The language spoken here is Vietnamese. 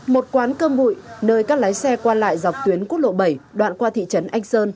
một quán cơm bụi nơi các lái xe qua lại dọc tuyến quốc lộ bảy đoạn qua thị trấn anh sơn